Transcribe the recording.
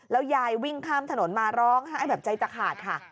ยายวิ่งข้ามถนนมาร้องไห้แบบใจจะขาดค่ะ